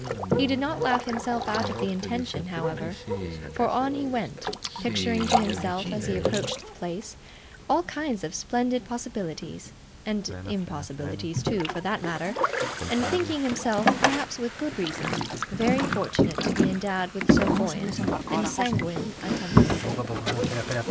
He did not laugh himself out of the intention, however, for on he went: picturing to himself, as he approached the place, all kinds of splendid possibilities, and impossibilities too, for that matter, and thinking himself, perhaps with good reason, very fortunate to be endowed with so buoyant and sanguine a temperament.